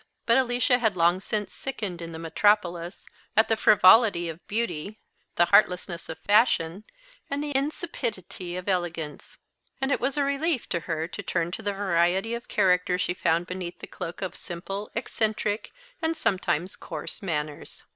But Alicia had long since sickened in the metropolis at the frivolity of beauty, the heartlessness of fashion, and the insipidity of elegance; and it was a relief to her to turn to the variety of character she found beneath the cloak of simple, eccentric, and sometimes coarse manners.